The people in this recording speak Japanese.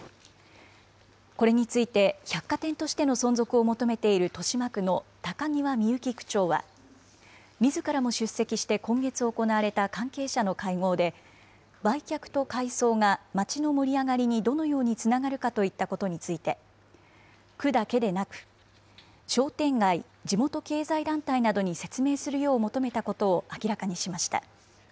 これについて百貨店としての存続を求めている豊島区の高際みゆき区長は、みずからも出席して今月行われた関係者の会合で、売却と改装が街の盛り上がりにどのようにつながるかといったことについて、区だけでなく、商店街、地元経済団体などに説明するよう求めたことを明らかにしました。